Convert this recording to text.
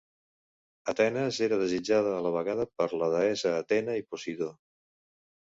Atenes era desitjada a la vegada per la deessa Atena i Posidó.